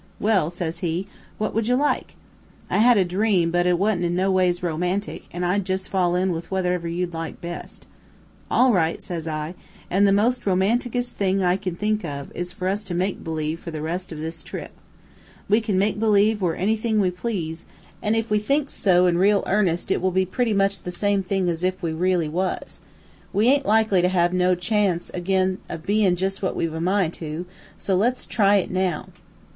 "'Well,' says he, 'what would you like? I had a dream, but it wasn't no ways romantic, and I'll jus' fall in with whatever you'd like best.' "'All right,' says I, 'an' the most romantic est thing that I can think of is for us to make believe for the rest of this trip. We can make believe we're anything we please, an' if we think so in real earnest it will be pretty much the same thing as if we really was. We aint likely to have no chance ag'in of being jus' what we've a mind to, an' so let's try it now.'